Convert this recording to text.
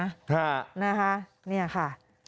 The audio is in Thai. ค่ะนะคะเนี่ยค่ะ